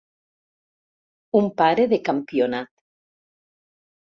Un pare de campionat.